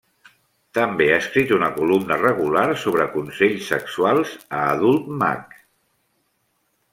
També ha escrit una columna regular sobre consells sexuals a Adult Mag.